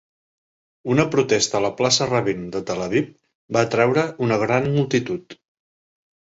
Una protesta a la plaça Rabin de Tel Aviv va atreure una gran multitud.